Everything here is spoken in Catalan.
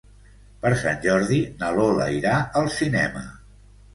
Per Sant Jordi na Lola irà al cinema.